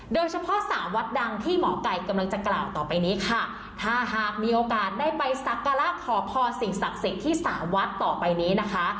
โดยเฉพาะสามวัดดังที่หมอไก่กำลังจะกล่าวต่อไปนี้ค่ะถ้าหากมีโอกาสได้ไปสักการะขอพรสิ่งศักดิ์สิทธิ์ที่สามวัดต่อไปนี้นะคะ